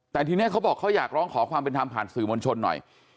แต่ทีนี้เขาบอกเขาอยากร้องขอความเป็นธรรมผ่านสื่อมวลชนหน่อย